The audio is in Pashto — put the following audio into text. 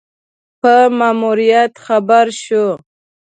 په ماموریت خبر شو.